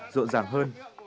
rộn ràng hơn